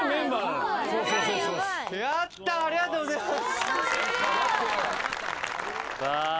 ありがとうございます。